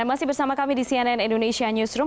masih bersama kami di cnn indonesia newsroom